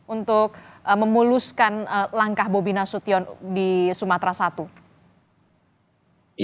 untuk memuluskan langkah bobi nasution di sumatera i